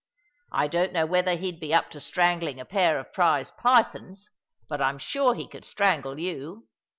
I don't know whether he'd be up to strangling a pair of prize pythons ; but I'm sure he could strangle you.